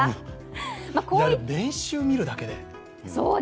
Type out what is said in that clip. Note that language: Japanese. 練習を見るたけで？